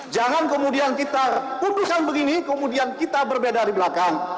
jangan kemudian kita putuskan begini kemudian kita berbeda di belakang